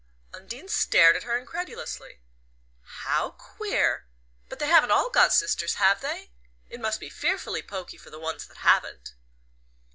Undine stared at her incredulously. "How queer! But they haven't all got sisters, have they? It must be fearfully poky for the ones that haven't."